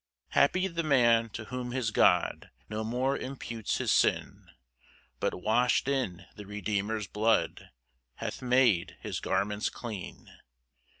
1 Happy the man to whom his God No more imputes his sin, But wash'd in the Redeemer's blood, Hath made his garments clean!